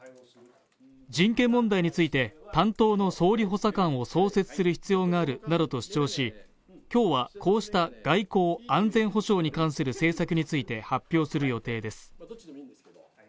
人権問題について、担当の総理補佐官を創設する必要があるなどと主張し今日は、こうした外交・安全保障に関する政策について、発表する予定です。